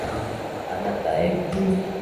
あなたへ